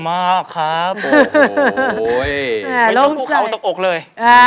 ดีกว่านี้